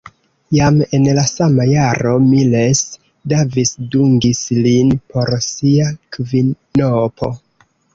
Jam en la sama jaro Miles Davis dungis lin por sia kvinopo.